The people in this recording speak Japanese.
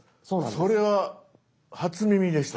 それは初耳でした。